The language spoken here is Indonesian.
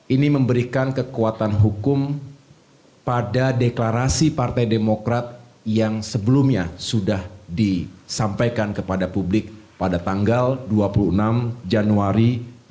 ini memberikan kekuatan hukum pada deklarasi partai demokrat yang sebelumnya sudah disampaikan kepada publik pada tanggal dua puluh enam januari dua ribu dua puluh